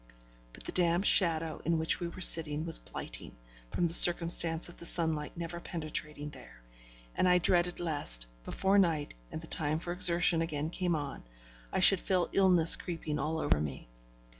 But the damp shadow in which we were sitting was blighting, from the circumstance of the sunlight never penetrating there; and I dreaded lest, before night and the time for exertion again came on, I should feel illness creeping all over me.